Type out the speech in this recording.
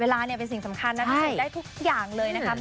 เวลาเป็นสิ่งสำคัญมันสามารถหยุดได้ทุกอย่างเลยนะครับ